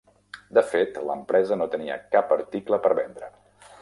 De fet, l'empresa no tenia cap article per vendre.